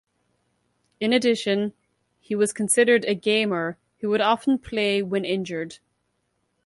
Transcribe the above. In addition, he was considered a "gamer" who would often play when injured.